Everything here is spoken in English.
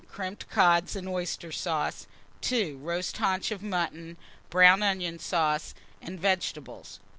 Crimped cod and oyster sauce. 2. Roast haunch of mutton, brown onion sauce, and vegetables.